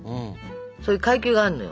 そういう階級があるのよ。